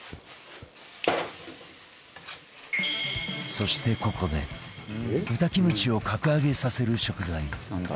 そしてここで豚キムチを格上げさせる食材１つ目が登場